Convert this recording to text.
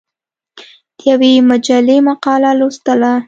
د یوې مجلې مقاله لوستله.